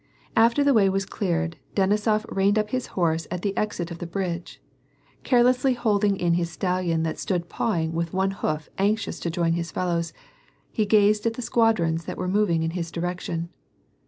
A.fter the way was cleared, Denisof reined up his horse at the exit of the bridge. Carelessly holding in his stallion, that stood pawing with one hoof anxious to join his fellows, he gazed at the squadrons that were moving in his direction.